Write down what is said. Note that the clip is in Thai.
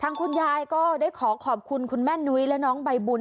คุณยายก็ได้ขอขอบคุณคุณแม่นุ้ยและน้องใบบุญ